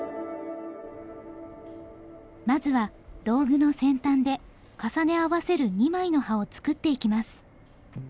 まずは道具の先端で重ね合わせる２枚の刃を作っていきます。